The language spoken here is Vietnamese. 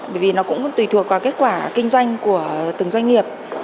bởi vì nó cũng tùy thuộc vào kết quả kinh doanh của từng doanh nghiệp